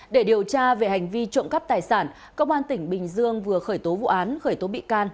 để điều tra về hành vi trộm cắp tài sản công an tỉnh bình dương vừa khởi tố vụ án khởi tố bị can